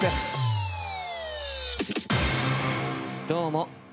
どうも。